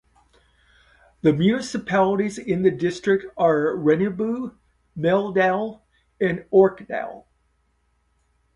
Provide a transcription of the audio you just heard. The municipalities in the district are Rennebu, Meldal, and Orkdal.